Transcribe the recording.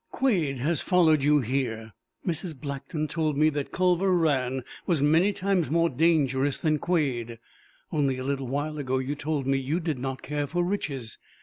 Quade has followed you here. Mrs. Blackton told me that Culver Rann was many times more dangerous than Quade. Only a little while ago you told me you did not care for riches.